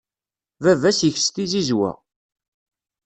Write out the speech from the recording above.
Baba-s ikess tizizwa.